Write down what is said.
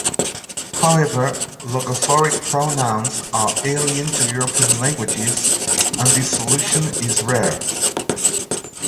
However, logophoric pronouns are alien to European languages, and this solution is rare.